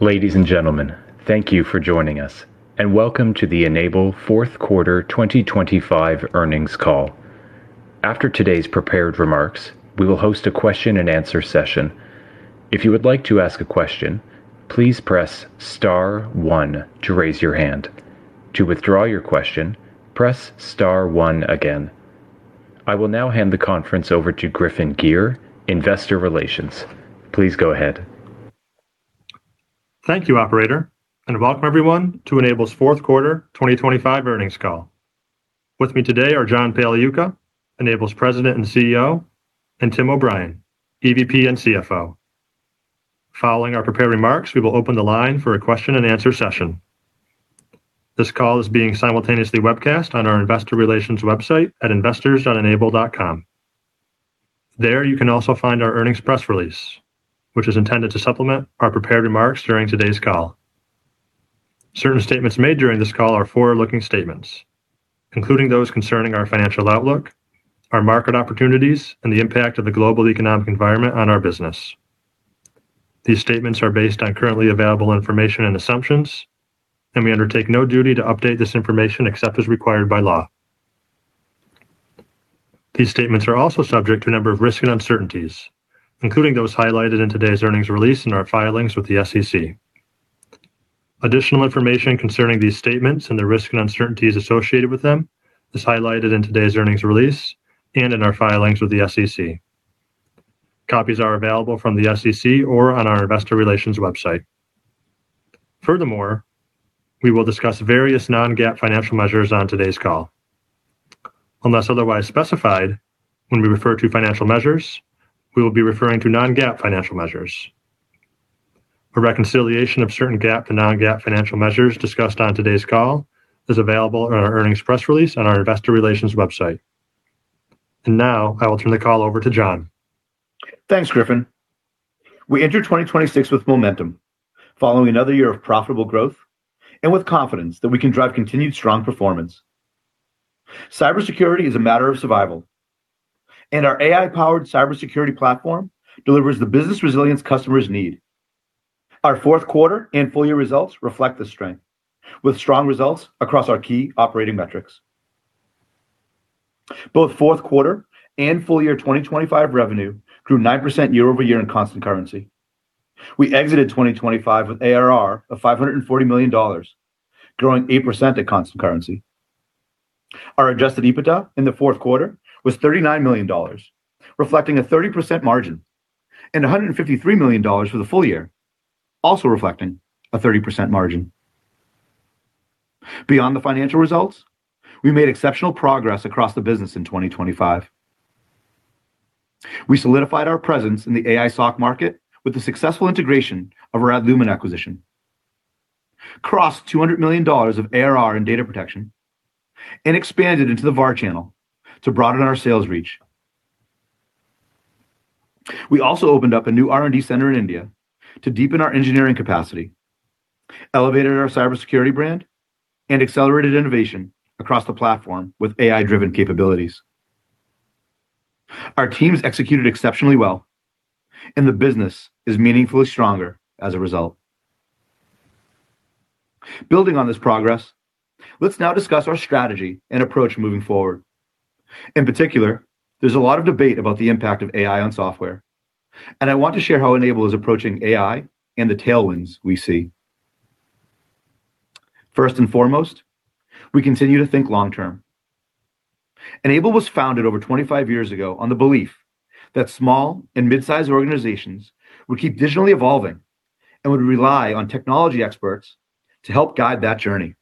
Ladies and gentlemen, thank you for joining us, and welcome to the N-able fourth quarter 2025 earnings call. After today's prepared remarks, we will host a question and answer session. If you would like to ask a question, please press star one to raise your hand. To withdraw your question, press star one again. I will now hand the conference over to Griffin Gyr, Investor Relations. Please go ahead. Thank you, operator, and welcome everyone to N-able's Fourth Quarter 2025 earnings call. With me today are John Pagliuca, N-able's President and CEO, and Tim O'Brien, EVP and CFO. Following our prepared remarks, we will open the line for a question and answer session. This call is being simultaneously webcast on our Investor Relations website at investors.n-able.com. There, you can also find our earnings press release, which is intended to supplement our prepared remarks during today's call. Certain statements made during this call are forward-looking statements, including those concerning our financial outlook, our market opportunities, and the impact of the global economic environment on our business. These statements are based on currently available information and assumptions, and we undertake no duty to update this information except as required by law. These statements are also subject to a number of risks and uncertainties, including those highlighted in today's earnings release and our filings with the SEC. Additional information concerning these statements and the risks and uncertainties associated with them is highlighted in today's earnings release and in our filings with the SEC. Copies are available from the SEC or on our Investor Relations website. Furthermore, we will discuss various non-GAAP financial measures on today's call. Unless otherwise specified, when we refer to financial measures, we will be referring to non-GAAP financial measures. A reconciliation of certain GAAP to non-GAAP financial measures discussed on today's call is available in our earnings press release on our investor relations website. Now, I will turn the call over to John. Thanks, Griffin. We enter 2026 with momentum, following another year of profitable growth and with confidence that we can drive continued strong performance. Cybersecurity is a matter of survival, and our AI-powered Cybersecurity Platform delivers the business resilience customers need. Our fourth quarter and full year results reflect this strength, with strong results across our key operating metrics. Both fourth quarter and full year 2025 revenue grew 9% year-over-year in constant currency. We exited 2025 with ARR of $540 million, growing 8% at constant currency. Our Adjusted EBITDA in the fourth quarter was $39 million, reflecting a 30% margin, and $153 million for the full year, also reflecting a 30% margin. Beyond the financial results, we made exceptional progress across the business in 2025. We solidified our presence in the AI SOC market with the successful integration of our Adlumin acquisition, crossed $200 million of ARR in data protection, and expanded into the VAR channel to broaden our sales reach. We also opened up a new R&D center in India to deepen our engineering capacity, elevated our cybersecurity brand, and accelerated innovation across the platform with AI-driven capabilities. Our teams executed exceptionally well, and the business is meaningfully stronger as a result. Building on this progress, let's now discuss our strategy and approach moving forward. In particular, there's a lot of debate about the impact of AI on software, and I want to share how N-able is approaching AI and the tailwinds we see. First and foremost, we continue to think long-term. N-able was founded over 25 years ago on the belief that small and mid-sized organizations would keep digitally evolving and would rely on technology experts to help guide that journey.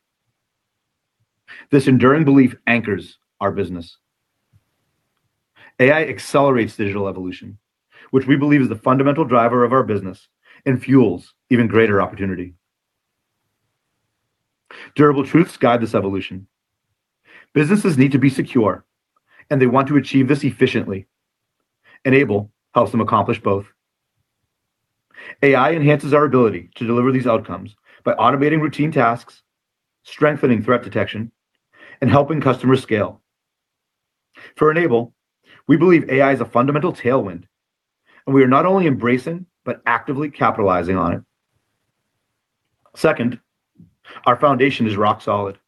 This enduring belief anchors our business. AI accelerates digital evolution, which we believe is the fundamental driver of our business and fuels even greater opportunity. Durable truths guide this evolution. Businesses need to be secure, and they want to achieve this efficiently. N-able helps them accomplish both. AI enhances our ability to deliver these outcomes by automating routine tasks, strengthening threat detection, and helping customers scale. For N-able, we believe AI is a fundamental tailwind, and we are not only embracing, but actively capitalizing on it. Second, our foundation is rock solid.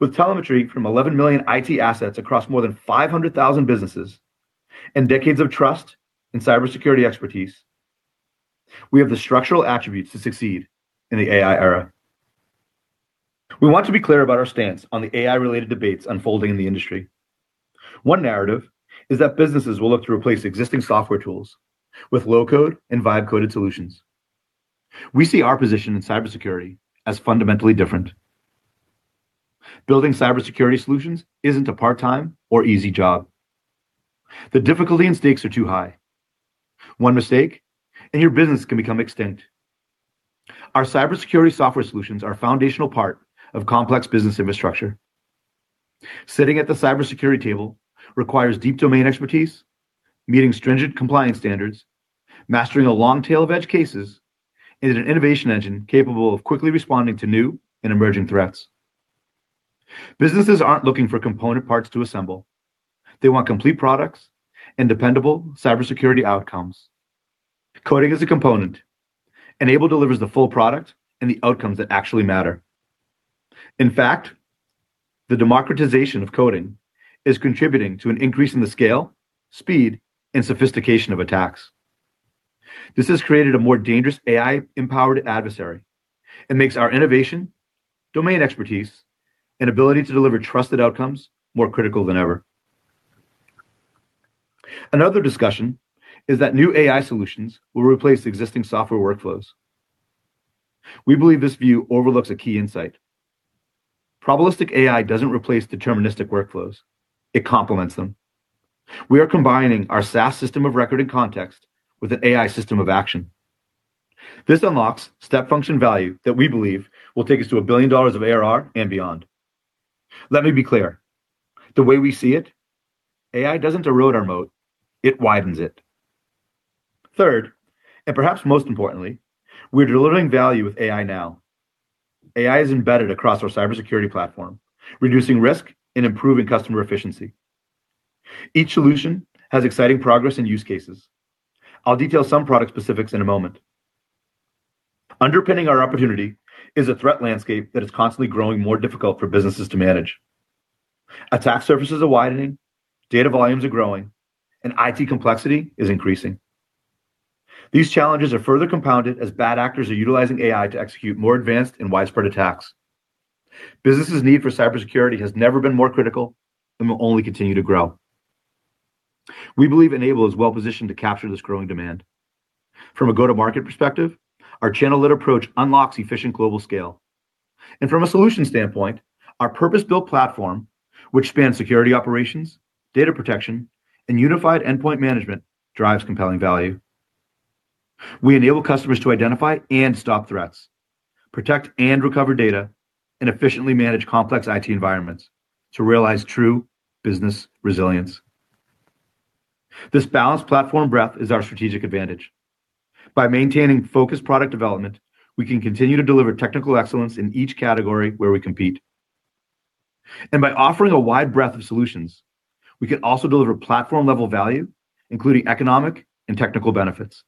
With telemetry from 11 million IT assets across more than 500,000 businesses and decades of trust in cybersecurity expertise, we have the structural attributes to succeed in the AI era. We want to be clear about our stance on the AI-related debates unfolding in the industry. One narrative is that businesses will look to replace existing software tools with low-code and vibe-coded solutions. We see our position in cybersecurity as fundamentally different. Building cybersecurity solutions isn't a part-time or easy job. The difficulty and stakes are too high. One mistake, and your business can become extinct. Our cybersecurity software solutions are a foundational part of complex business infrastructure. Sitting at the cybersecurity table requires deep domain expertise, meeting stringent compliance standards, mastering a long tail of edge cases, and an innovation engine capable of quickly responding to new and emerging threats. Businesses aren't looking for component parts to assemble. They want complete products and dependable cybersecurity outcomes. Coding is a component. N-able delivers the full product and the outcomes that actually matter. In fact, the democratization of coding is contributing to an increase in the scale, speeed, and sophistication of attacks. This has created a more dangerous AI-empowered adversary, and makes our innovation, domain expertise, and ability to deliver trusted outcomes more critical than ever. Another discussion is that new AI solutions will replace existing software workflows. We believe this view overlooks a key insight. Probabilistic AI doesn't replace deterministic workflows, it complements them. We are combining our SaaS system of record and context with an AI system of action. This unlocks step function value that we believe will take us to $1 billion of ARR and beyond. Let me be clear, the way we see it, AI doesn't erode our moat, it widens it. Third, and perhaps most importantly, we're delivering value with AI now. AI is embedded across our Cybersecurity platform, reducing risk and improving customer efficiency. Each solution has exciting progress and use cases. I'll detail some product specifics in a moment. Underpinning our opportunity is a threat landscape that is constantly growing more difficult for businesses to manage. Attack surfaces are widening, data volumes are growing, and IT complexity is increasing. These challenges are further compounded as bad actors are utilizing AI to execute more advanced and widespread attacks. Businesses' need for cybersecurity has never been more critical and will only continue to grow. We believe N-able is well positioned to capture this growing demand. From a go-to-market perspective, our channel-led approach unlocks efficient global scale. From a solution standpoint, our purpose-built platform, which spans Security Operations, Data Protection, and Unified Endpoint Management, drives compelling value. We enable customers to identify and stop threats, protect and recover data, and efficiently manage complex IT environments to realize true business resilience. This balanced platform breadth is our strategic advantage. By maintaining focused product development, we can continue to deliver technical excellence in each category where we compete. By offering a wide breadth of solutions, we can also deliver platform-level value, including economic and technical benefits.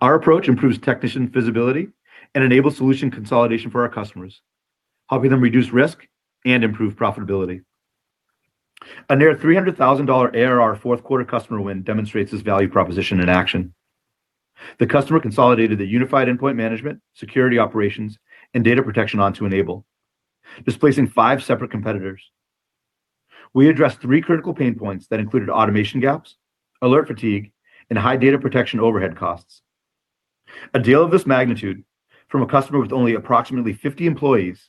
Our approach improves technician visibility and enables solution consolidation for our customers, helping them reduce risk and improve profitability. A near $300,000 ARR fourth quarter customer win demonstrates this value proposition in action. The customer consolidated the Unified Endpoint Management, Security Operations, and Data Protection onto N-able, displacing five separate competitors. We addressed three critical pain points that included automation gaps, alert fatigue, and high data protection overhead costs. A deal of this magnitude from a customer with only approximately 50 employees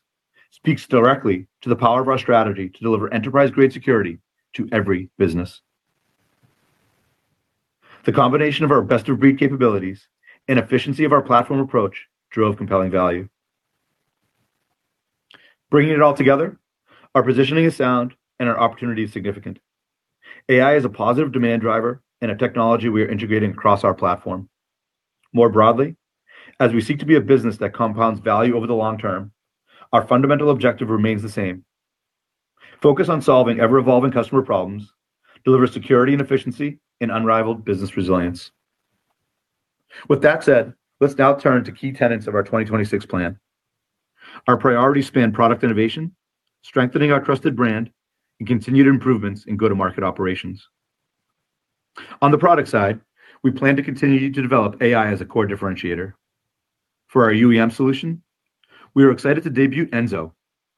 speaks directly to the power of our strategy to deliver enterprise-grade security to every business. The combination of our best-of-breed capabilities and efficiency of our platform approach drove compelling value. Bringing it all together, our positioning is sound and our opportunity is significant. AI is a positive demand driver and a technology we are integrating across our platform. More broadly, as we seek to be a business that compounds value over the long term, our fundamental objective remains the same: focus on solving ever-evolving customer problems, deliver security and efficiency, and unrivaled business resilience. With that said, let's now turn to key tenets of our 2026 plan. Our priorities span product innovation, strengthening our trusted brand, and continued improvements in go-to-market operations. On the product side, we plan to continue to develop AI as a core differentiator. For our UEM solution, we are excited to debut N-zo,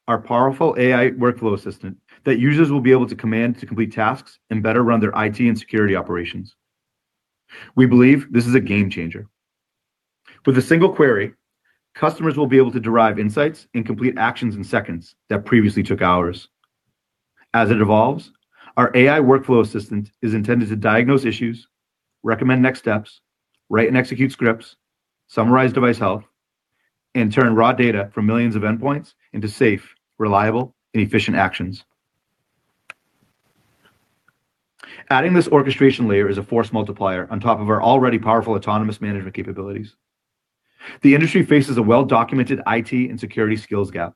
our powerful AI workflow assistant that users will be able to command to complete tasks and better run their IT and security operations. We believe this is a game changer. With a single query, customers will be able to derive insights and complete actions in seconds that previously took hours. As it evolves, our AI workflow assistant is intended to diagnose issues, recommend next steps, write and execute scripts, summarize device health, and turn raw data from millions of endpoints into safe, reliable, and efficient actions. Adding this orchestration layer is a force multiplier on top of our already powerful autonomous management capabilities. The industry faces a well-documented IT and security skills gap.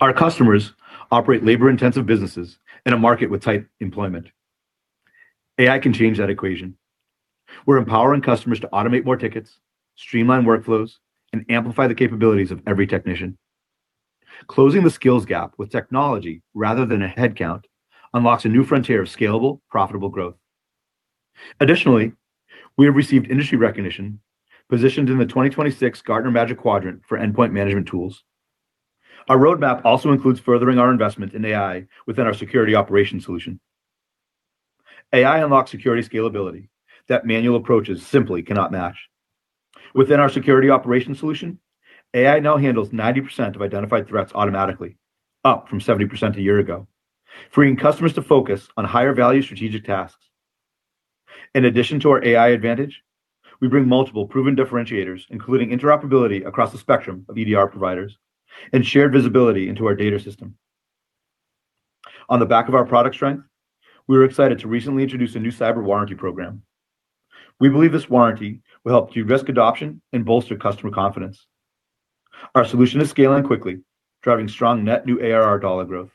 Our customers operate labor-intensive businesses in a market with tight employment. AI can change that equation. We're empowering customers to automate more tickets, streamline workflows, and amplify the capabilities of every technician. Closing the skills gap with technology rather than a headcount unlocks a new frontier of scalable, profitable growth. Additionally, we have received industry recognition, positioned in the 2026 Gartner Magic Quadrant for Endpoint Management Tools. Our roadmap also includes furthering our investment in AI within our security operations solution. AI unlocks security scalability that manual approaches simply cannot match. Within our security operations solution, AI now handles 90% of identified threats automatically, up from 70% a year ago, freeing customers to focus on higher-value strategic tasks. In addition to our AI advantage, we bring multiple proven differentiators, including interoperability across the spectrum of EDR providers and shared visibility into our data system. On the back of our product strength, we were excited to recently introduce a new cyber warranty program. We believe this warranty will help de-risk adoption and bolster customer confidence. Our solution is scaling quickly, driving strong net new ARR dollar growth.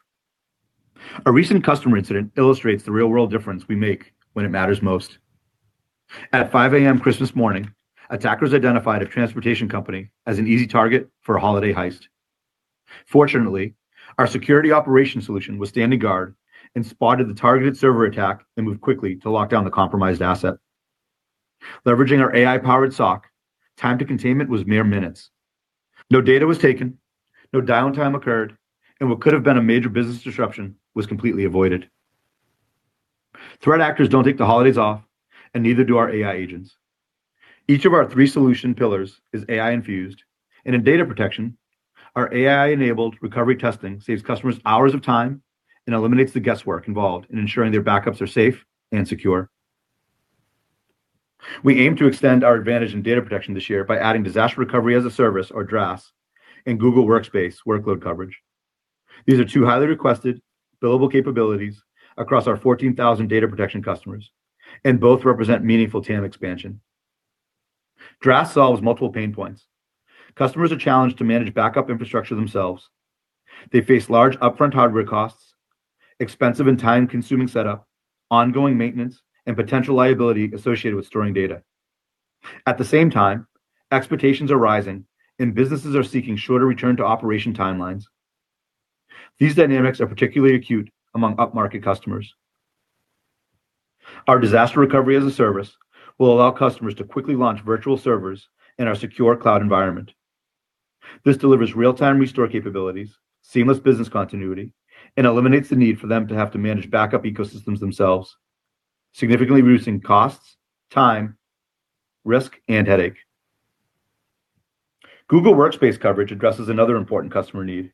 A recent customer incident illustrates the real-world difference we make when it matters most. At 5:00 A.M. Christmas morning, attackers identified a transportation company as an easy target for a holiday heist. Fortunately, our security operation solution was standing guard and spotted the targeted server attack, and moved quickly to lock down the compromised asset. Leveraging our AI-powered SOC, time to containment was mere minutes. No data was taken, no downtime occurred, and what could have been a major business disruption was completely avoided. Threat actors don't take the holidays off, and neither do our AI agents. Each of our three solution pillars is AI-infused, and in data protection, our AI-enabled recovery testing saves customers hours of time and eliminates the guesswork involved in ensuring their backups are safe and secure. We aim to extend our advantage in data protection this year by adding Disaster Recovery as a Service, or DRaaS, and Google Workspace workload coverage. These are two highly requested, billable capabilities across our 14,000 data protection customers, and both represent meaningful TAM expansion. DRaaS solves multiple pain points. Customers are challenged to manage backup infrastructure themselves. They face large upfront hardware costs, expensive and time-consuming setup, ongoing maintenance, and potential liability associated with storing data. At the same time, expectations are rising and businesses are seeking shorter return-to-operation timelines. These dynamics are particularly acute among upmarket customers. Our Disaster Recovery as a Service will allow customers to quickly launch virtual servers in our secure cloud environment. This delivers real-time restore capabilities, seamless business continuity, and eliminates the need for them to have to manage backup ecosystems themselves, significantly reducing costs, time, risk, and headache. Google Workspace coverage addresses another important customer need.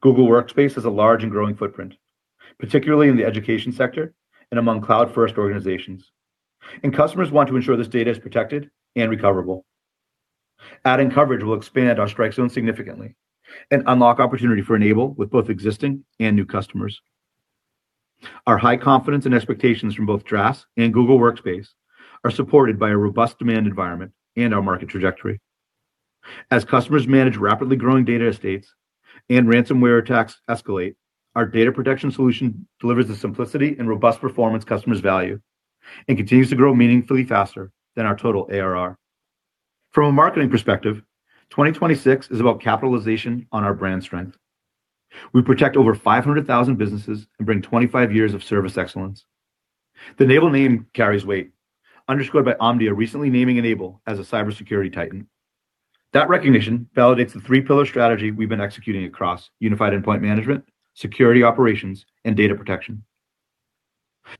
Google Workspace has a large and growing footprint, particularly in the education sector and among cloud-first organizations, and customers want to ensure this data is protected and recoverable. Adding coverage will expand our strike zone significantly and unlock opportunity for N-able with both existing and new customers. Our high confidence and expectations from both DRaaS and Google Workspace are supported by a robust demand environment and our market trajectory. As customers manage rapidly growing data estates and ransomware attacks escalate, our data protection solution delivers the simplicity and robust performance customers value and continues to grow meaningfully faster than our total ARR. From a marketing perspective, 2026 is about capitalization on our brand strength. We protect over 500,000 businesses and bring 25 years of service excellence. The N-able name carries weight, underscored by Omdia recently naming N-able as a cybersecurity titan. That recognition validates the three-pillar strategy we've been executing across: Unified Endpoint Management, Security Operations, and Data Protection.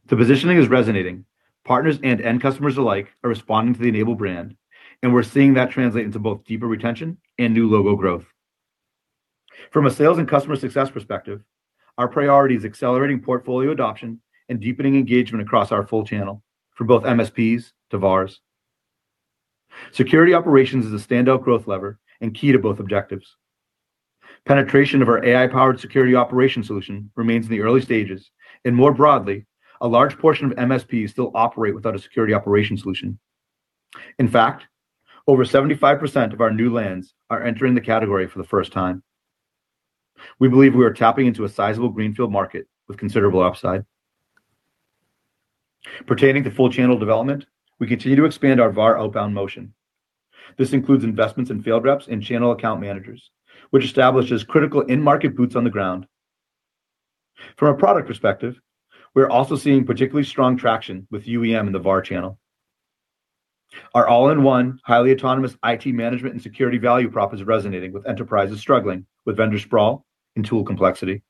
The positioning is resonating. Partners and end customers alike are responding to the N-able brand, and we're seeing that translate into both deeper retention and new logo growth. From a sales and customer success perspective, our priority is accelerating portfolio adoption and deepening engagement across our full channel for both MSPs to VARs. Security operations is a standout growth lever and key to both objectives. Penetration of our AI-powered security operation solution remains in the early stages, and more broadly, a large portion of MSPs still operate without a security operation solution. In fact, over 75% of our new lands are entering the category for the first time. We believe we are tapping into a sizable greenfield market with considerable upside. Pertaining to full channel development, we continue to expand our VAR outbound motion. This includes investments in field reps and channel account managers, which establishes critical in-market boots on the ground. From a product perspective, we're also seeing particularly strong traction with UEM in the VAR channel. Our all-in-one, highly autonomous IT management and security value prop is resonating with enterprises struggling with vendor sprawl and tool complexity.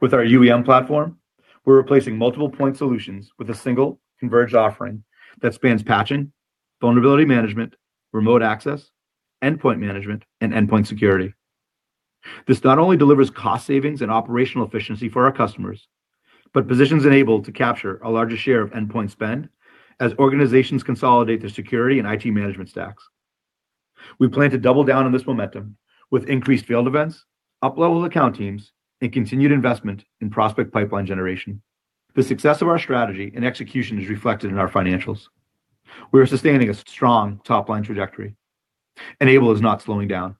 With our UEM platform, we're replacing multiple point solutions with a single converged offering that spans patching, vulnerability management, remote access, endpoint management, and endpoint security. This not only delivers cost savings and operational efficiency for our customers, but positions N-able to capture a larger share of endpoint spend as organizations consolidate their security and IT management stacks. We plan to double down on this momentum with increased field events, up-level account teams, and continued investment in prospect pipeline generation. The success of our strategy and execution is reflected in our financials. We are sustaining a strong top-line trajectory. N-able is not slowing down.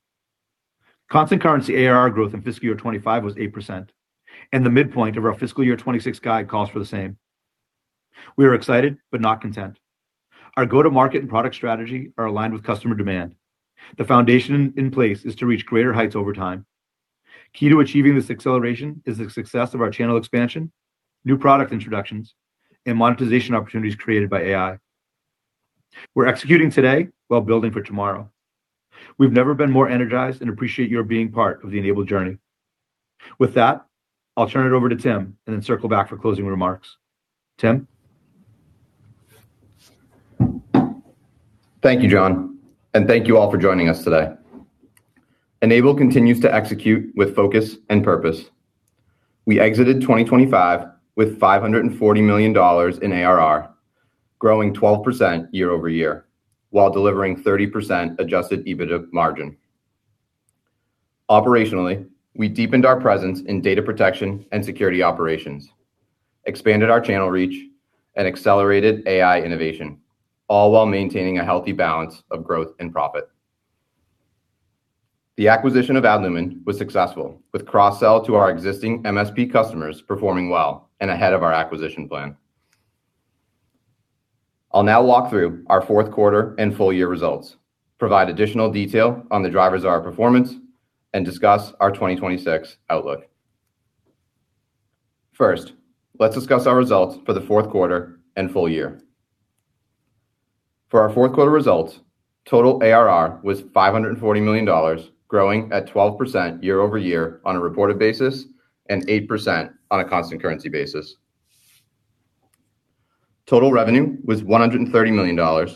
Constant currency ARR growth in Fiscal Year 2025 was 8%, and the midpoint of our Fiscal Year 2026 guide calls for the same. We are excited, but not content. Our go-to-market and product strategy are aligned with customer demand. The foundation in place is to reach greater heights over time. Key to achieving this acceleration is the success of our channel expansion, new product introductions, and monetization opportunities created by AI. We're executing today while building for tomorrow. We've never been more energized and appreciate your being part of the N-able journey. With that, I'll turn it over to Tim and then circle back for closing remarks. Tim? Thank you, John, and thank you all for joining us today. N-able continues to execute with focus and purpose. We exited 2025 with $540 million in ARR, growing 12% year-over-year, while delivering 30% adjusted EBITDA margin. Operationally, we deepened our presence in data protection and security operations, expanded our channel reach, and accelerated AI innovation, all while maintaining a healthy balance of growth and profit. The acquisition of Adlumin was successful, with cross-sell to our existing MSP customers performing well and ahead of our acquisition plan. I'll now walk through our fourth quarter and full year results, provide additional detail on the drivers of our performance, and discuss our 2026 outlook. First, let's discuss our results for the fourth quarter and full year. For our fourth quarter results, total ARR was $540 million, growing at 12% year-over-year on a reported basis and 8% on a constant currency basis. Total revenue was $130 million, $3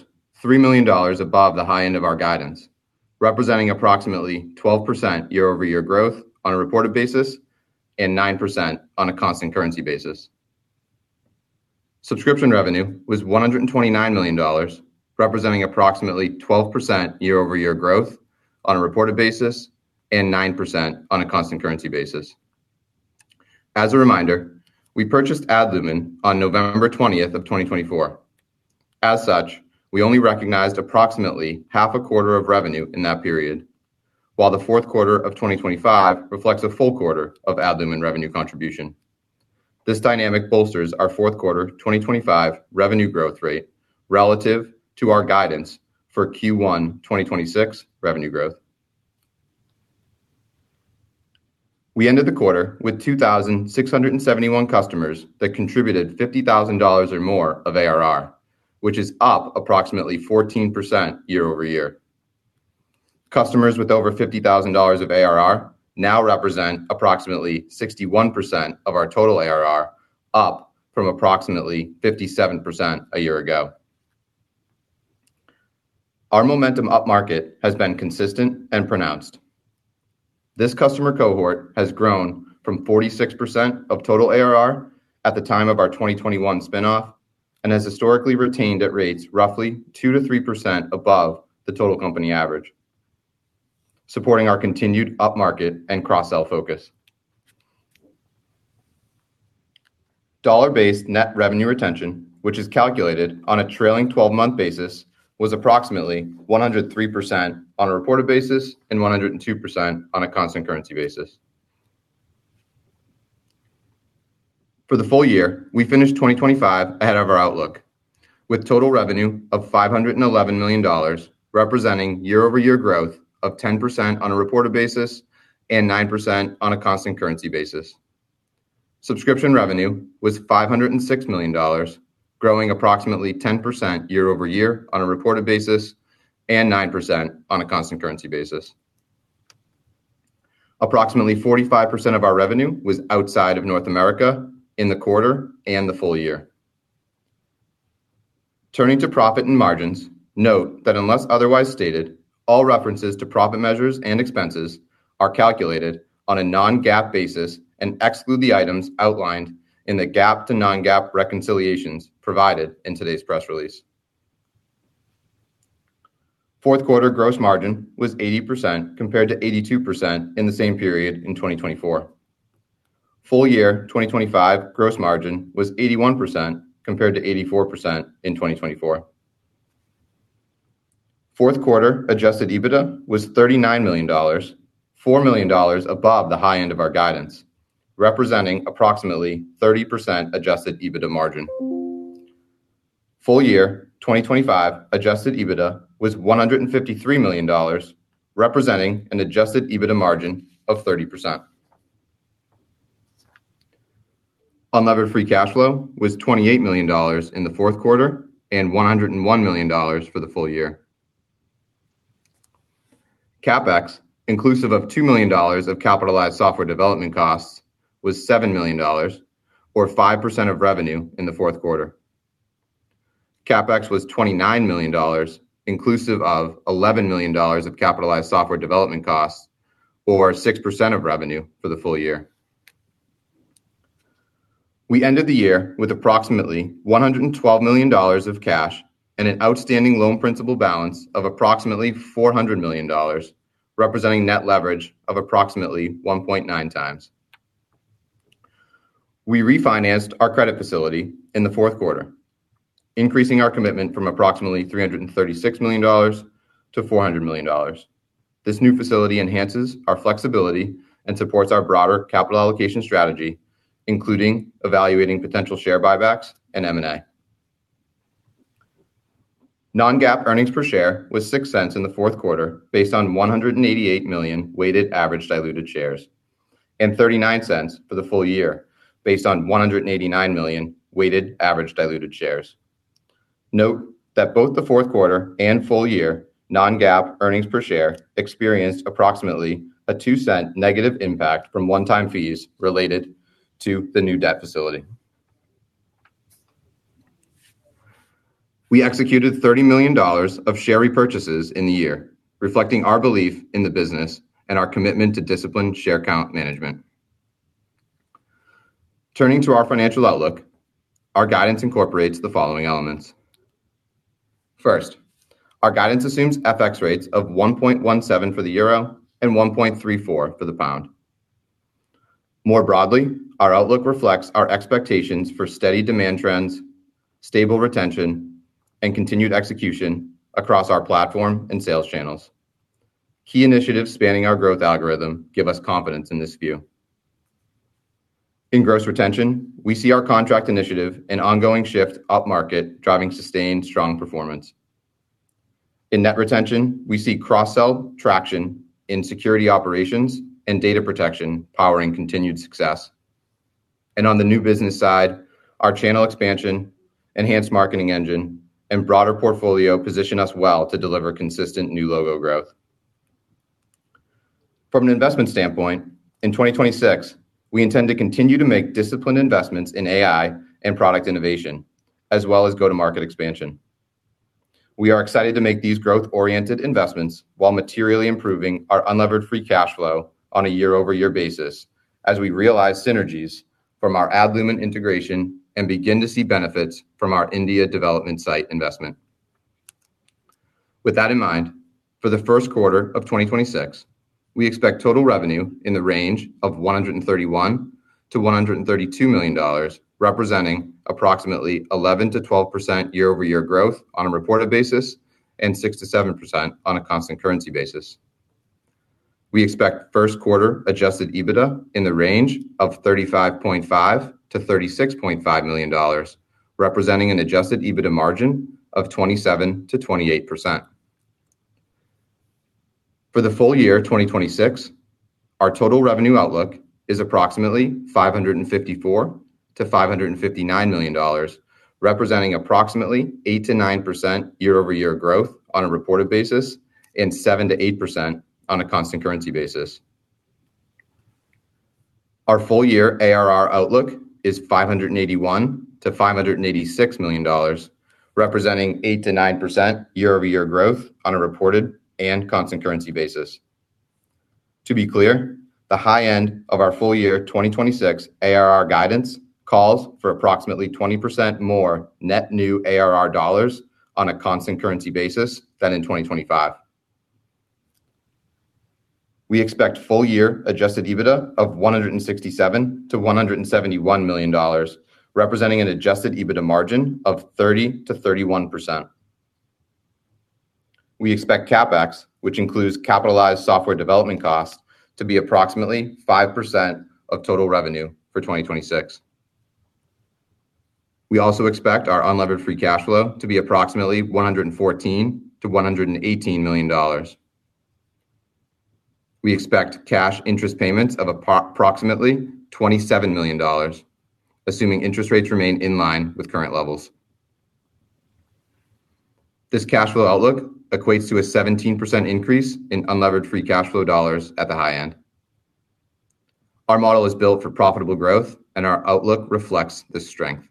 million above the high end of our guidance, representing approximately 12% year-over-year growth on a reported basis and 9% on a constant currency basis. Subscription revenue was $129 million, representing approximately 12% year-over-year growth on a reported basis and 9% on a constant currency basis. As a reminder, we purchased Adlumin on November 20, 2024. As such, we only recognized approximately half a quarter of revenue in that period, while the fourth quarter of 2025 reflects a full quarter of Adlumin revenue contribution. This dynamic bolsters our fourth quarter 2025 revenue growth rate relative to our guidance for Q1 2026 revenue growth. We ended the quarter with 2,671 customers that contributed $50,000 or more of ARR, which is up approximately 14% year over year. Customers with over $50,000 of ARR now represent approximately 61% of our total ARR, up from approximately 57% a year ago. Our momentum upmarket has been consistent and pronounced. This customer cohort has grown from 46% of total ARR at the time of our 2021 spinoff, and has historically retained at rates roughly 2%-3% above the total company average, supporting our continued upmarket and cross-sell focus. Dollar-based Net Revenue Retention, which is calculated on a trailing twelve-month basis, was approximately 103% on a reported basis and 102% on a constant currency basis. For the full year, we finished 2025 ahead of our outlook, with total revenue of $511 million, representing year-over-year growth of 10% on a reported basis and 9% on a constant currency basis. Subscription revenue was $506 million, growing approximately 10% year-over-year on a reported basis and 9% on a constant currency basis. Approximately 45% of our revenue was outside of North America in the quarter and the full year. Turning to profit and margins, note that unless otherwise stated, all references to profit measures and expenses are calculated on a non-GAAP basis and exclude the items outlined in the GAAP to non-GAAP reconciliations provided in today's press release. Fourth quarter gross margin was 80%, compared to 82% in the same period in 2024. Full year 2025 gross margin was 81%, compared to 84% in 2024. Fourth quarter adjusted EBITDA was $39 million, $4 million above the high end of our guidance, representing approximately 30% adjusted EBITDA margin. Full year 2025 adjusted EBITDA was $153 million, representing an adjusted EBITDA margin of 30%. Unlevered free cash flow was $28 million in the fourth quarter and $101 million for the full year. CapEx, inclusive of $2 million of capitalized software development costs, was $7 million or 5% of revenue in the fourth quarter. CapEx was $29 million, inclusive of $11 million of capitalized software development costs, or 6% of revenue for the full year. We ended the year with approximately $112 million of cash and an outstanding loan principal balance of approximately $400 million, representing net leverage of approximately 1.9 times. We refinanced our credit facility in the fourth quarter, increasing our commitment from approximately $336 million to $400 million. This new facility enhances our flexibility and supports our broader capital allocation strategy, including evaluating potential share buybacks and M&A. Non-GAAP earnings per share was $0.06 in the fourth quarter, based on 188 million weighted average diluted shares, and $0.39 for the full year, based on 189 million weighted average diluted shares. Note that both the fourth quarter and full year non-GAAP earnings per share experienced approximately a $0.02 negative impact from one-time fees related to the new debt facility. We executed $30 million of share repurchases in the year, reflecting our belief in the business and our commitment to disciplined share count management. Turning to our financial outlook, our guidance incorporates the following elements: First, our guidance assumes FX rates of 1.17 for the euro and 1.34 for the pound. More broadly, our outlook reflects our expectations for steady demand trends, stable retention, and continued execution across our platform and sales channels. Key initiatives spanning our growth algorithm give us confidence in this view. In gross retention, we see our contract initiative and ongoing shift upmarket, driving sustained strong performance. In net retention, we see cross-sell traction in security operations and data protection, powering continued success. And on the new business side, our channel expansion, enhanced marketing engine, and broader portfolio position us well to deliver consistent new logo growth. From an investment standpoint, in 2026, we intend to continue to make disciplined investments in AI and product innovation, as well as go-to-market expansion. We are excited to make these growth-oriented investments while materially improving our unlevered free cash flow on a year-over-year basis, as we realize synergies from our Adlumin integration and begin to see benefits from our India development site investment. With that in mind, for the first quarter of 2026, we expect total revenue in the range of $131 million-$132 million, representing approximately 11%-12% year-over-year growth on a reported basis and 6%-7% on a constant currency basis. We expect first quarter adjusted EBITDA in the range of $35.5 million-$36.5 million, representing an adjusted EBITDA margin of 27%-28%. For the full year of 2026, our total revenue outlook is approximately $554 million-$559 million, representing approximately 8%-9% year-over-year growth on a reported basis and 7%-8% on a constant currency basis. Our full-year ARR outlook is $581 million-$586 million, representing 8%-9% year-over-year growth on a reported and constant currency basis. To be clear, the high end of our full-year 2026 ARR guidance calls for approximately 20% more net new ARR dollars on a constant currency basis than in 2025. We expect full-year adjusted EBITDA of $167 million-$171 million, representing an adjusted EBITDA margin of 30%-31%. We expect CapEx, which includes capitalized software development costs, to be approximately 5% of total revenue for 2026. We also expect our unlevered free cash flow to be approximately $114 million-$118 million. We expect cash interest payments of approximately $27 million, assuming interest rates remain in line with current levels. This cash flow outlook equates to a 17% increase in unlevered free cash flow dollars at the high end. Our model is built for profitable growth, and our outlook reflects this strength.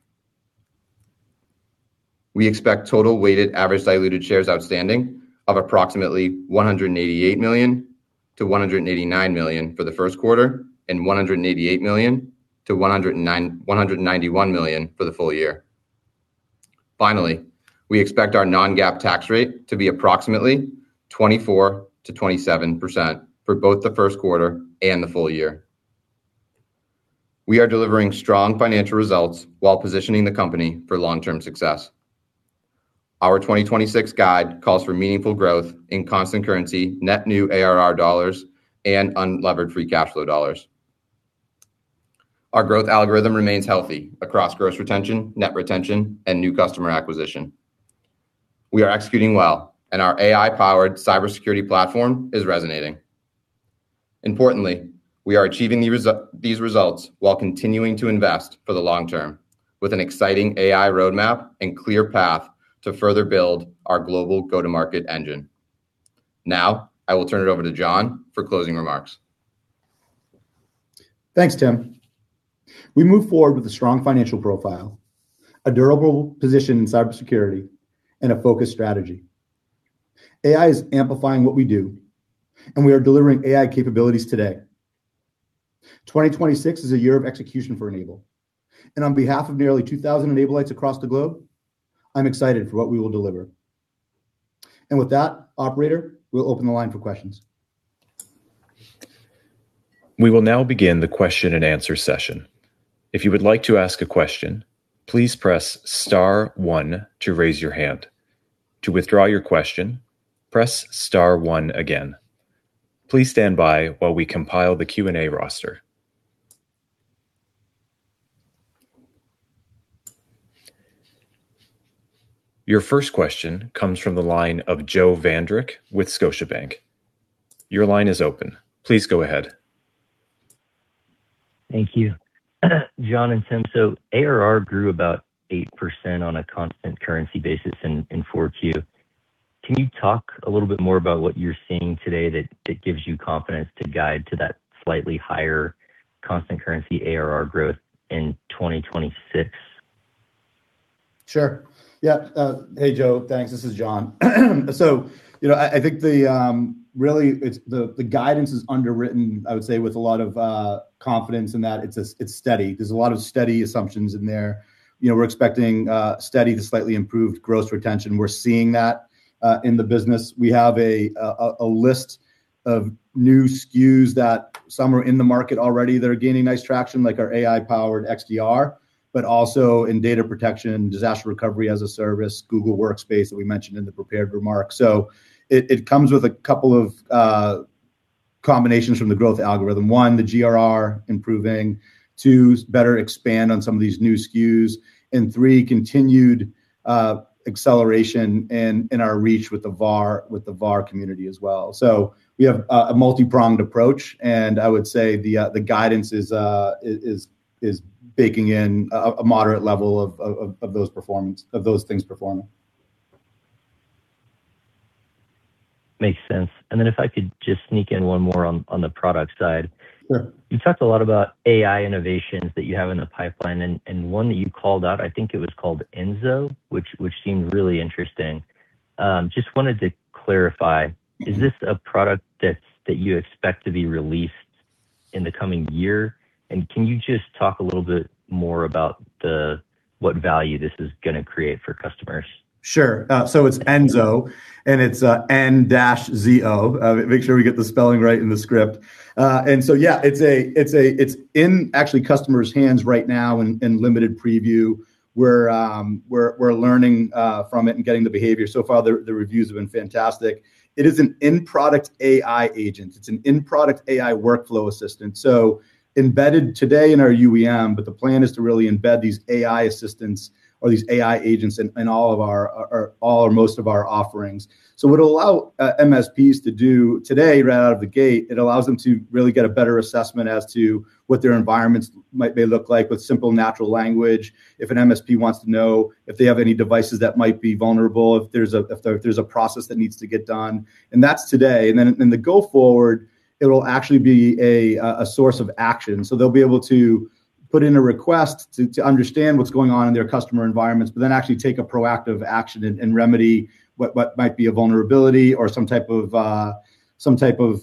We expect total weighted average diluted shares outstanding of approximately $188 million-$189 million for the first quarter, and $188 million- $191 million for the full year. Finally, we expect our non-GAAP tax rate to be approximately 24%-27% for both the first quarter and the full year. We are delivering strong financial results while positioning the company for long-term success. Our 2026 guide calls for meaningful growth in constant currency, net new ARR dollars, and unlevered free cash flow dollars. Our growth algorithm remains healthy across gross retention, net retention, and new customer acquisition. We are executing well, and our AI-powered cybersecurity platform is resonating. Importantly, we are achieving these results while continuing to invest for the long term, with an exciting AI roadmap and clear path to further build our global go-to-market engine. Now, I will turn it over to John for closing remarks. Thanks, Tim. We move forward with a strong financial profile, a durable position in cybersecurity, and a focused strategy. AI is amplifying what we do, and we are delivering AI capabilities today. 2026 is a year of execution for N-able, and on behalf of nearly 2,000 N-ablites across the globe, I'm excited for what we will deliver. And with that, operator, we'll open the line for questions. We will now begin the question and answer session. If you would like to ask a question, please press star one to raise your hand. To withdraw your question, press star one again. Please stand by while we compile the Q&A roster. Your first question comes from the line of Joe Vruwink with Scotiabank. Your line is open. Please go ahead. Thank you. John and Tim, so ARR grew about 8% on a constant currency basis in Q4. Can you talk a little bit more about what you're seeing today that gives you confidence to guide to that slightly higher constant currency ARR growth in 2026? Sure. Yeah, hey, Joe. Thanks. This is John. So, you know, I think really it's the guidance is underwritten, I would say, with a lot of confidence in that it's steady. There's a lot of steady assumptions in there. You know, we're expecting steady to slightly improved gross retention. We're seeing that in the business. We have a list of new SKUs that some are in the market already, that are gaining nice traction, like our AI-powered XDR, but also in data protection, disaster recovery as a service, Google Workspace, that we mentioned in the prepared remarks. So it comes with a couple of combinations from the growth algorithm. One, the GRR improving. Two, is better expand on some of these new SKUs. And three, continued acceleration in our reach with the VAR community as well. So we have a multi-pronged approach, and I would say the guidance is baking in a moderate level of those things performing. Makes sense. And then if I could just sneak in one more on the product side. Sure. You talked a lot about AI innovations that you have in the pipeline, and one that you called out, I think it was called N-zo, which seemed really interesting. Just wanted to clarify, is this a product that you expect to be released in the coming year? And can you just talk a little bit more about what value this is gonna create for customers? Sure. So it's N-zo, and it's N-zo. Make sure we get the spelling right in the script. And so, yeah, it's in actually customers' hands right now in limited preview. We're learning from it and getting the behavior. So far, the reviews have been fantastic. It is an in-product AI agent. It's an in-product AI workflow assistant. So embedded today in our UEM, but the plan is to really embed these AI assistants or these AI agents in all of our, all or most of our offerings. So it would allow MSPs to do today, right out of the gate, it allows them to really get a better assessment as to what their environments might may look like with simple natural language. If an MSP wants to know if they have any devices that might be vulnerable, if there's a process that needs to get done, and that's today. And then going forward, it'll actually be a course of action. So they'll be able to put in a request to understand what's going on in their customer environments, but then actually take a proactive action and remedy what might be a vulnerability or some type of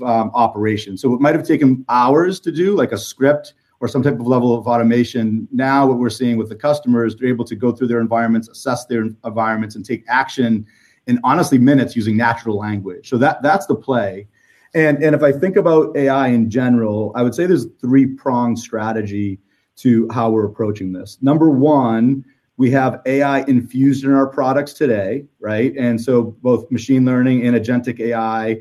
operation. So it might have taken hours to do, like a script or some type of level of automation. Now, what we're seeing with the customer is they're able to go through their environments, assess their environments, and take action in, honestly, minutes using natural language. So that's the play. And if I think about AI in general, I would say there's a three-pronged strategy to how we're approaching this. Number one, we have AI infused in our products today, right? And so both machine learning and agentic AI,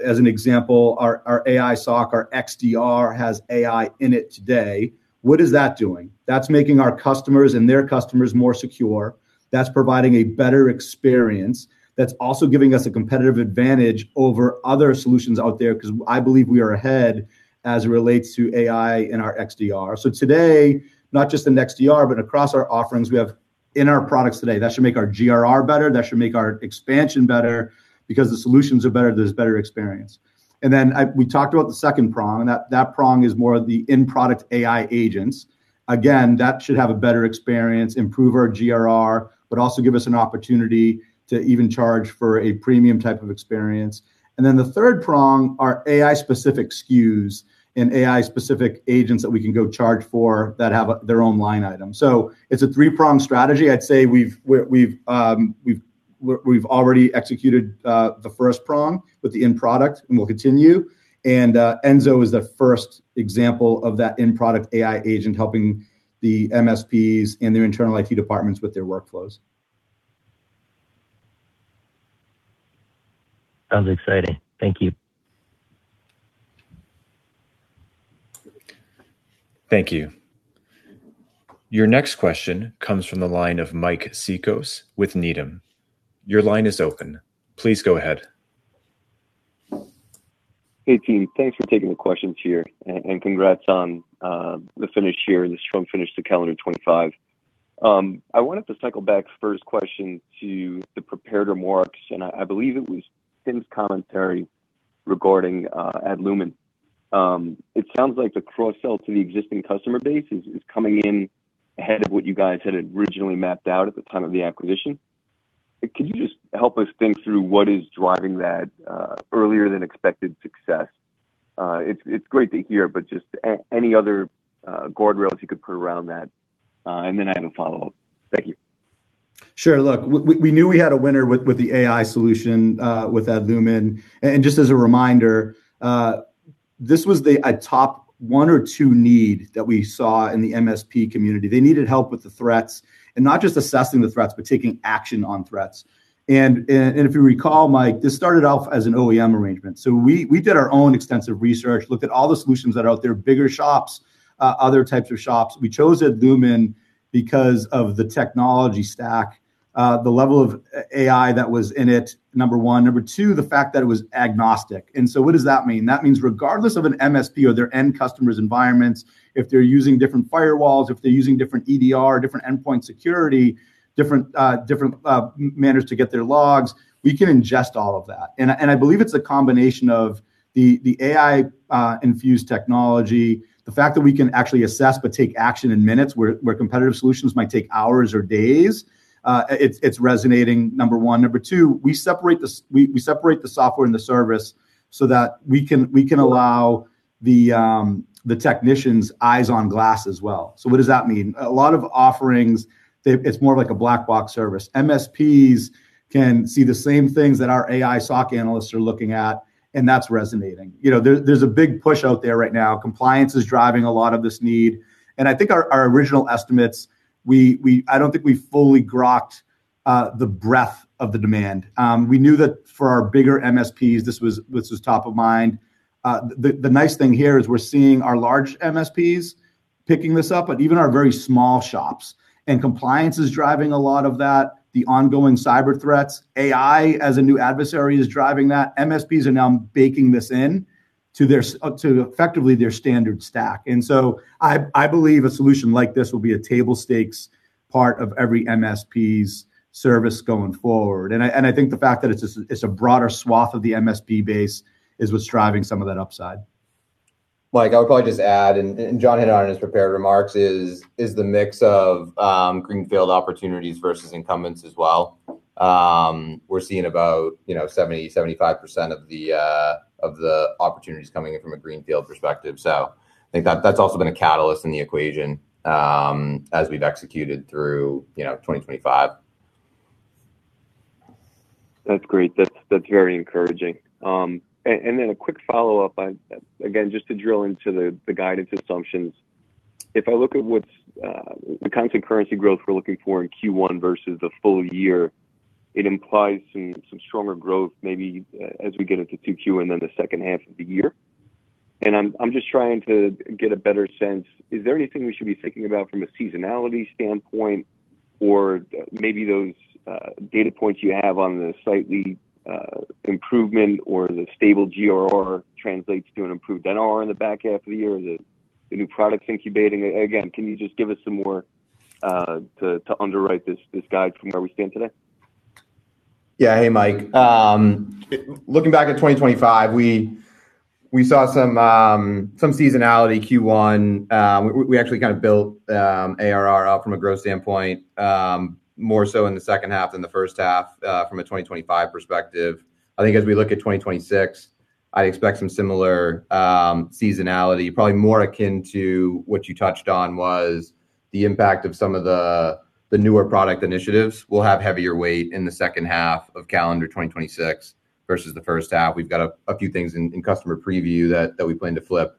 as an example, our AI SOC, our XDR has AI in it today. What is that doing? That's making our customers and their customers more secure. That's providing a better experience. That's also giving us a competitive advantage over other solutions out there, 'cause I believe we are ahead as it relates to AI and our XDR. So today, not just in XDR, but across our offerings, we have in our products today, that should make our GRR better, that should make our expansion better. Because the solutions are better, there's better experience. And then I... We talked about the second prong, and that prong is more of the in-product AI agents. Again, that should have a better experience, improve our GRR, but also give us an opportunity to even charge for a premium type of experience. And then the third prong are AI-specific SKUs and AI-specific agents that we can go charge for that have their own line item. So it's a three-prong strategy. I'd say we've already executed the first prong with the in-product, and we'll continue. And N-zo is the first example of that in-product AI agent, helping the MSPs and their internal IT departments with their workflows. Sounds exciting. Thank you. Thank you. Your next question comes from the line of Mike Cikos with Needham. Your line is open. Please go ahead. Hey, team. Thanks for taking the questions here, and congrats on the finish here and the strong finish to calendar 2025. I wanted to cycle back first question to the prepared remarks, and I believe it was Tim's commentary regarding Adlumin. It sounds like the cross sell to the existing customer base is coming in ahead of what you guys had originally mapped out at the time of the acquisition. Could you just help us think through what is driving that earlier than expected success? It's great to hear, but just any other guardrails you could put around that, and then I have a follow-up. Thank you. Sure. Look, we knew we had a winner with the AI solution with Adlumin. And just as a reminder, this was a top one or two need that we saw in the MSP community. They needed help with the threats, and not just assessing the threats, but taking action on threats. And if you recall, Mike, this started off as an OEM arrangement, so we did our own extensive research, looked at all the solutions that are out there, bigger shops, other types of shops. We chose Adlumin because of the technology stack, the level of AI that was in it, number one. Number two, the fact that it was agnostic. And so what does that mean? That means regardless of an MSP or their end customers' environments, if they're using different firewalls, if they're using different EDR, different endpoint security, different manners to get their logs, we can ingest all of that. I believe it's a combination of the AI infused technology, the fact that we can actually assess but take action in minutes, where competitive solutions might take hours or days, it's resonating, number one. Number two, we separate the software and the service so that we can allow the technician's eyes on glass as well. So what does that mean? A lot of offerings, it's more like a black box service. MSPs can see the same things that our AI SOC analysts are looking at, and that's resonating. You know, there's a big push out there right now. Compliance is driving a lot of this need, and I think our original estimates, I don't think we fully grokked the breadth of the demand. We knew that for our bigger MSPs, this was top of mind. The nice thing here is we're seeing our large MSPs picking this up, but even our very small shops. And compliance is driving a lot of that. The ongoing cyber threats, AI as a new adversary is driving that. MSPs are now baking this in to effectively their standard stack. And so I believe a solution like this will be a table stakes part of every MSP's service going forward. I think the fact that it's a broader swath of the MSP base is what's driving some of that upside. Mike, I would probably just add, and John hit on in his prepared remarks, is the mix of greenfield opportunities versus incumbents as well. We're seeing about, you know, 70%-75% of the opportunities coming in from a greenfield perspective. So I think that's also been a catalyst in the equation, as we've executed through, you know, 2025. That's great. That's very encouraging. And then a quick follow-up. I again just to drill into the guidance assumptions. If I look at what's the constant currency growth we're looking for in Q1 versus the full year, it implies some stronger growth, maybe, as we get into Q2 and then the second half of the year. And I'm just trying to get a better sense. Is there anything we should be thinking about from a seasonality standpoint? Or maybe those data points you have on the slight improvement or the stable GRR translates to an improved NRR in the back half of the year, or is it the new products incubating? Again, can you just give us some more to underwrite this guide from where we stand today? Yeah. Hey, Mike. Looking back at 2025, we saw some seasonality, Q1. We actually kind of built ARR up from a growth standpoint, more so in the second half than the first half, from a 2025 perspective. I think as we look at 2026, I expect some similar seasonality. Probably more akin to what you touched on was the impact of some of the newer product initiatives will have heavier weight in the second half of calendar 2026 versus the first half. We've got a few things in customer preview that we plan to flip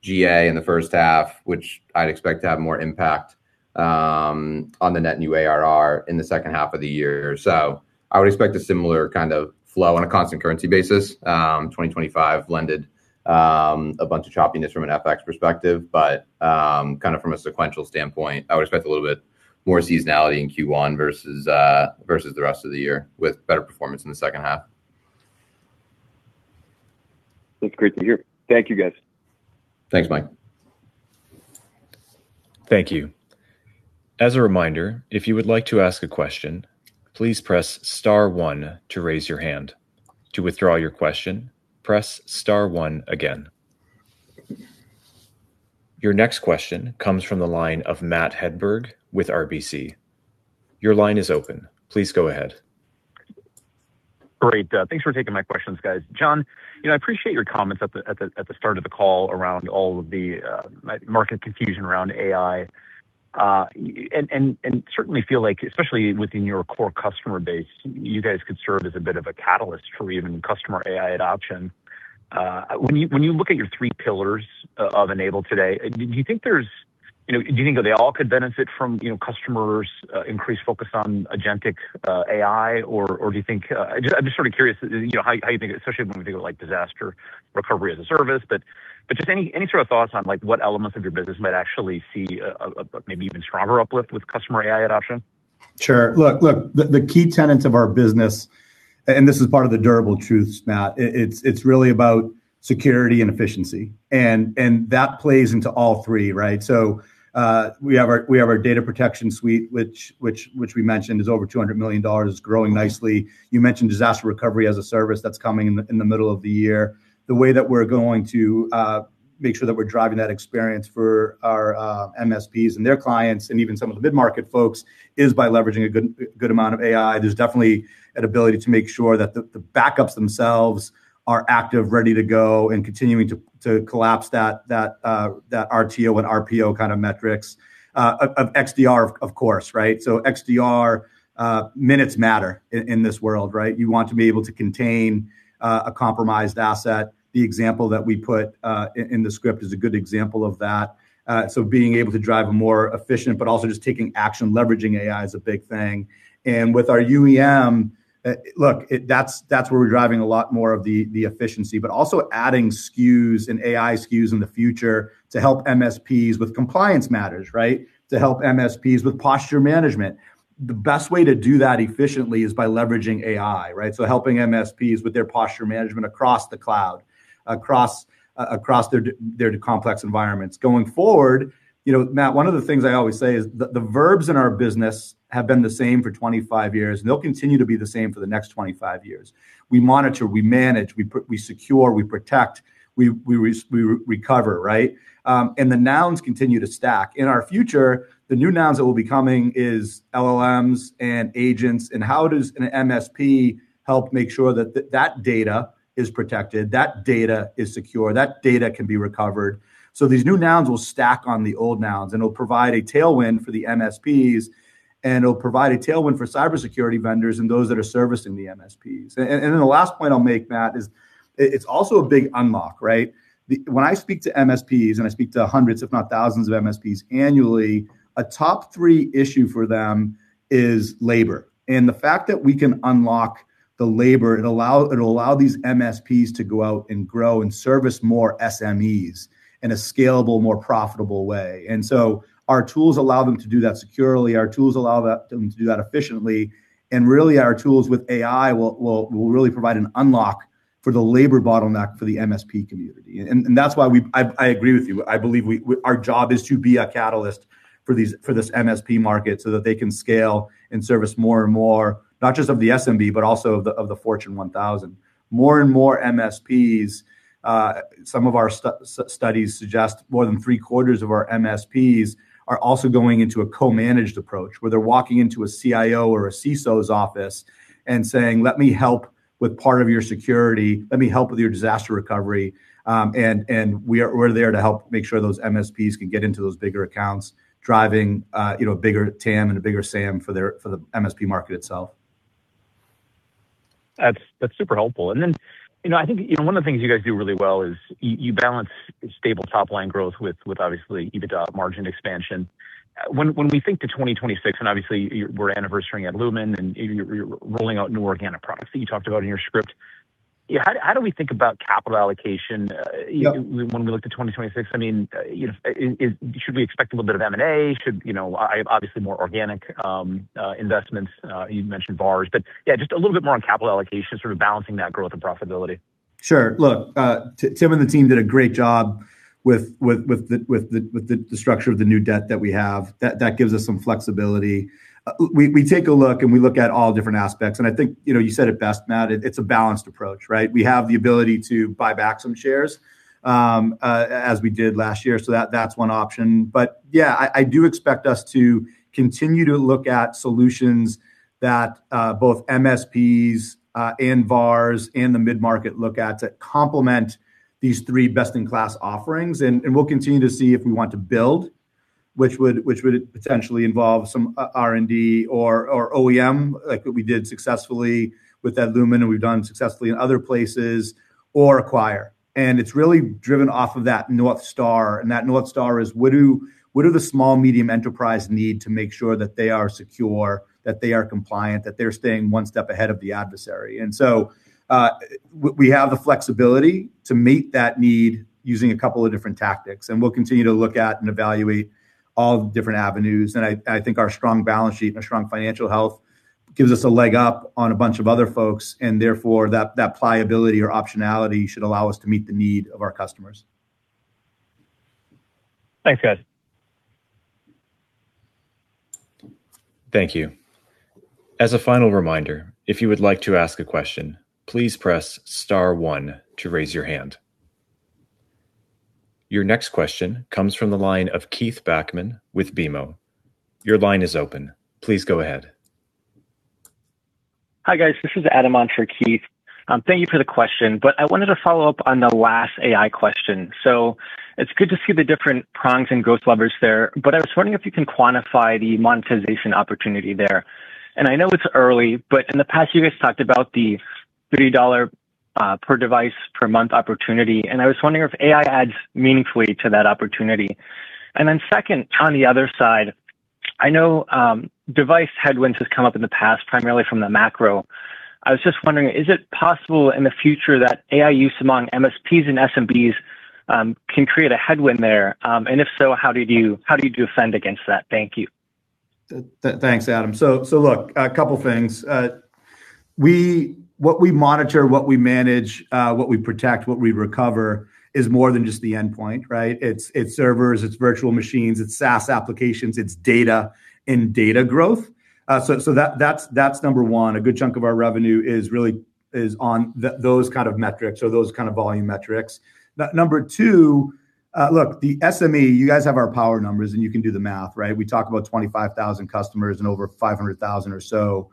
GA in the first half, which I'd expect to have more impact on the net new ARR in the second half of the year. So I would expect a similar kind of flow on a constant currency basis. 2025 blended, a bunch of choppiness from an FX perspective, but, kind of from a sequential standpoint, I would expect a little bit more seasonality in Q1 versus the rest of the year, with better performance in the second half. That's great to hear. Thank you, guys. Thanks, Mike. Thank you. As a reminder, if you would like to ask a question, please press star one to raise your hand. To withdraw your question, press star one again. Your next question comes from the line of Matt Hedberg with RBC. Your line is open. Please go ahead. Great. Thanks for taking my questions, guys. John, you know, I appreciate your comments at the start of the call around all of the market confusion around AI. And certainly feel like, especially within your core customer base, you guys could serve as a bit of a catalyst for even customer AI adoption. When you look at your three pillars of N-able today, do you think there's... You know, do you think that they all could benefit from, you know, customers increased focus on agentic AI? Or do you think... I'm just sort of curious, you know, how you think, especially when we think of like disaster recovery as a service. But just any sort of thoughts on like what elements of your business might actually see a maybe even stronger uplift with customer AI adoption? Sure. Look, the key tenets of our business, and this is part of the durable truth, Matt, it's really about security and efficiency, and that plays into all three, right? So, we have our data protection suite, which we mentioned is over $200 million, growing nicely. You mentioned disaster recovery as a service that's coming in the middle of the year. The way that we're going to make sure that we're driving that experience for our MSPs and their clients, and even some of the mid-market folks, is by leveraging a good amount of AI. There's definitely an ability to make sure that the backups themselves are active, ready to go, and continuing to collapse that RTO and RPO kind of metrics of XDR, of course, right? So XDR, minutes matter in this world, right? You want to be able to contain a compromised asset. The example that we put in the script is a good example of that. So being able to drive a more efficient, but also just taking action, leveraging AI is a big thing. And with our UEM. Look, that's where we're driving a lot more of the efficiency, but also adding SKUs and AI SKUs in the future to help MSPs with compliance matters, right? To help MSPs with posture management. The best way to do that efficiently is by leveraging AI, right? So helping MSPs with their posture management across the cloud, across their complex environments. Going forward, you know, Matt, one of the things I always say is the, the verbs in our business have been the same for 25 years, and they'll continue to be the same for the next 25 years. We monitor, we manage, we secure, we protect, we recover, right? And the nouns continue to stack. In our future, the new nouns that will be coming is LLMs and agents, and how does an MSP help make sure that that data is protected, that data is secure, that data can be recovered? So these new nouns will stack on the old nouns, and it'll provide a tailwind for the MSPs, and it'll provide a tailwind for cybersecurity vendors and those that are servicing the MSPs. And then the last point I'll make, Matt, is it's also a big unlock, right? When I speak to MSPs, and I speak to hundreds, if not thousands, of MSPs annually, a top three issue for them is labor. And the fact that we can unlock the labor, it'll allow these MSPs to go out and grow and service more SMEs in a scalable, more profitable way. And so our tools allow them to do that securely, our tools allow them to do that efficiently, and really, our tools with AI will really provide an unlock for the labor bottleneck for the MSP community. And that's why we—I agree with you. I believe we... Our job is to be a catalyst for these, for this MSP market so that they can scale and service more and more, not just of the SMB, but also of the Fortune 1000. More and more MSPs, some of our studies suggest more than 3/4 of our MSPs are also going into a co-managed approach, where they're walking into a CIO or a CISO's office and saying, "Let me help with part of your security. Let me help with your disaster recovery." And we're there to help make sure those MSPs can get into those bigger accounts, driving, you know, a bigger TAM and a bigger SAM for the MSP market itself. That's, that's super helpful. And then, you know, I think, you know, one of the things you guys do really well is you balance stable top-line growth with, with obviously EBITDA margin expansion. When we think to 2026, and obviously we're anniversarying at Adlumin, and you're, you're rolling out new organic products that you talked about in your script, yeah, how do, how do we think about capital allocation. Yep... when we look to 2026? I mean, you know, should we expect a little bit of M&A? Should you know... obviously more organic investments, you'd mentioned VARs. But yeah, just a little bit more on capital allocation, sort of balancing that growth and profitability. Sure. Look, Tim and the team did a great job with the structure of the new debt that we have. That gives us some flexibility. We take a look, and we look at all different aspects, and I think, you know, you said it best, Matt, it's a balanced approach, right? We have the ability to buy back some shares, as we did last year. So that's one option. But yeah, I do expect us to continue to look at solutions that both MSPs and VARs, and the mid-market look at to complement these three best-in-class offerings. And we'll continue to see if we want to build, which would potentially involve some R&D or OEM, like what we did successfully with Adlumin and we've done successfully in other places or acquire. And it's really driven off of that North Star, and that North Star is: what do the small medium enterprise need to make sure that they are secure, that they are compliant, that they're staying one step ahead of the adversary? So we have the flexibility to meet that need using a couple of different tactics, and we'll continue to look at and evaluate all the different avenues. I think our strong balance sheet and a strong financial health gives us a leg up on a bunch of other folks, and therefore, pliability or optionality should allow us to meet the need of our customers. Thanks, guys. Thank you. As a final reminder, if you would like to ask a question, please press star one to raise your hand. Your next question comes from the line of Keith Bachman with BMO. Your line is open. Please go ahead. Hi, guys. This is Adam on for Keith. Thank you for the question, but I wanted to follow up on the last AI question. So it's good to see the different prongs and those levers there, but I was wondering if you can quantify the monetization opportunity there. And I know it's early, but in the past, you guys talked about the $30 per device per month opportunity, and I was wondering if AI adds meaningfully to that opportunity. And then second, on the other side, I know device headwinds has come up in the past, primarily from the macro. I was just wondering, is it possible in the future that AI use among MSPs and SMBs can create a headwind there? And if so, how do you defend against that? Thank you. Thanks, Adam. So, so look, a couple things. What we monitor, what we manage, what we protect, what we recover is more than just the endpoint, right? It's, it's servers, it's virtual machines, it's SaaS applications, it's data and data growth. So, so that, that's, that's number one. A good chunk of our revenue is really, is on those kind of metrics or those kind of volume metrics. Number two, look, the SME, you guys have our power numbers, and you can do the math, right? We talk about 25,000 customers and over 500,000 or so,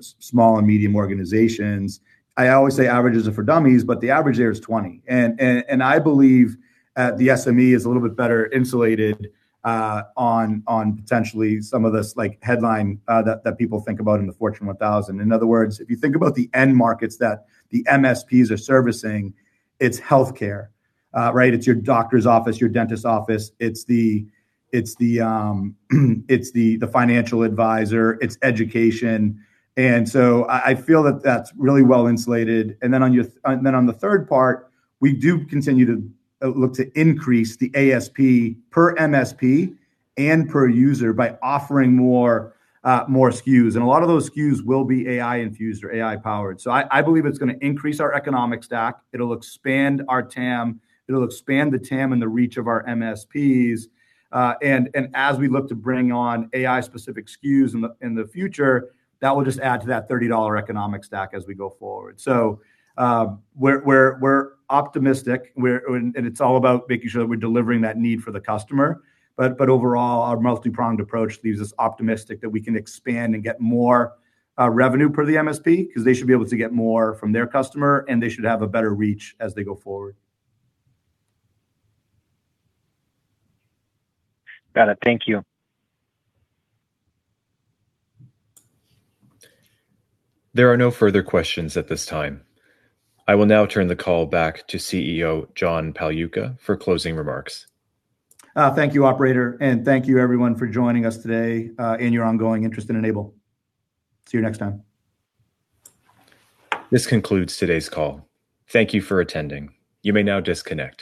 small and medium organizations. I always say averages are for dummies, but the average there is 20. I believe the SME is a little bit better insulated on potentially some of this, like, headline that people think about in the Fortune 1000. In other words, if you think about the end markets that the MSPs are servicing, it's healthcare, right? It's your doctor's office, your dentist office. It's the financial advisor, it's education. And so I feel that that's really well insulated. And then on the third part, we do continue to look to increase the ASP per MSP and per user by offering more, more SKUs. And a lot of those SKUs will be AI-infused or AI-powered. So I believe it's gonna increase our economic stack. It'll expand our TAM. It'll expand the TAM and the reach of our MSPs. And as we look to bring on AI-specific SKUs in the future, that will just add to that $30 economic stack as we go forward. So, we're optimistic. And it's all about making sure that we're delivering that need for the customer. But overall, our multi-pronged approach leaves us optimistic that we can expand and get more revenue per the MSP, 'cause they should be able to get more from their customer, and they should have a better reach as they go forward. Got it. Thank you. There are no further questions at this time. I will now turn the call back to CEO, John Pagliuca, for closing remarks. Thank you, operator, and thank you everyone for joining us today, and your ongoing interest in N-able. See you next time. This concludes today's call. Thank you for attending. You may now disconnect.